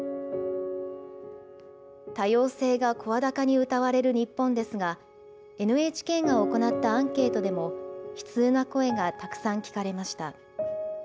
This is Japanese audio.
多様性が声高にうたわれる日本ですが、ＮＨＫが行ったアンケートでも、悲痛な声がたくさん聞かれました。